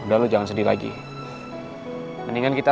udah lu jangan sedih lagi mendingan kita